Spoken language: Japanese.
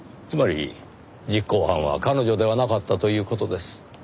つまり実行犯は彼女ではなかったという事です。